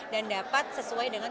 dan dapat sesuai dengan